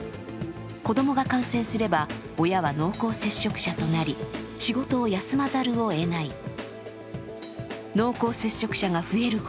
子供が感染すれば、親は濃厚接触者となり仕事を休まざるをえない。